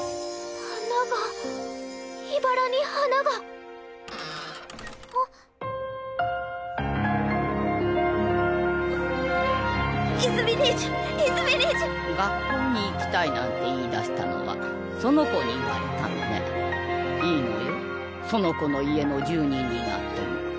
ははっ・ギィーあっあっ学校に行きたいなんて言いだしたのはその子に言われたのねいいのよその子の家の住人になっても。